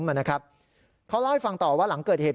เขาเล่าให้ฟังต่อว่าหลังเกิดเหตุ